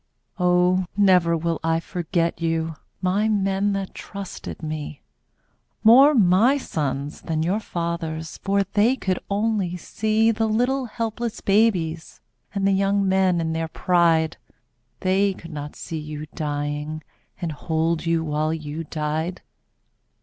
Oh, never will I forget you, My men that trusted me. More my sons than your fathers'. For they could only see The little helpless babies And the young men in their pride. They could not see you dying. And hold you while you died.